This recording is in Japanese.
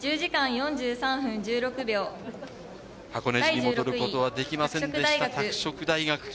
箱根路に戻ることはできませんでした、拓殖大学。